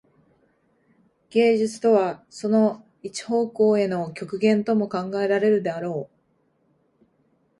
芸術とはその一方向への極限とも考えられるであろう。